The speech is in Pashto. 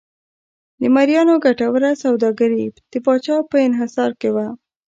د مریانو ګټوره سوداګري د پاچا په انحصار کې وه.